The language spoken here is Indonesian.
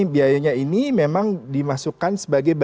biayanya ini memang dimasukkan sebagai